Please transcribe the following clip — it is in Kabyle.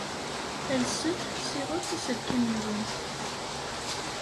Alset ssiɣet aselkim-nwen.